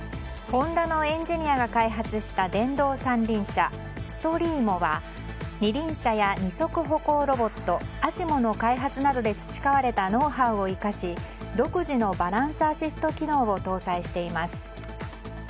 ホンダのエンジニアが開発した電動３輪車ストリーモは二輪車や二足歩行ロボットＡＳＩＭＯの開発などで培われたノウハウを生かし独自のバランスアシスト機能を搭載しています。